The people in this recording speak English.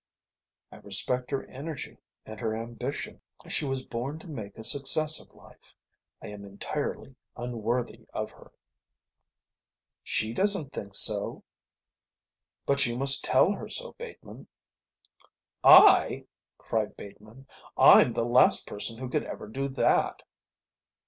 I respect her energy and her ambition. She was born to make a success of life. I am entirely unworthy of her." "She doesn't think so." "But you must tell her so, Bateman." "I?" cried Bateman. "I'm the last person who could ever do that."